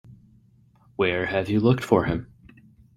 Where have you looked for him?